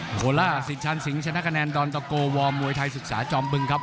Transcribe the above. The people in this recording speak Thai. โคล่าสิทชันสิงห์ชนะคะแนนดอนตะโกวอร์มวยไทยศึกษาจอมบึงครับ